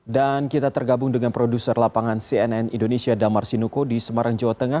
kita tergabung dengan produser lapangan cnn indonesia damar sinuko di semarang jawa tengah